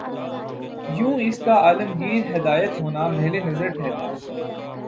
یوں اس کا عالمگیر ہدایت ہونا محل نظر ٹھہرتا ہے۔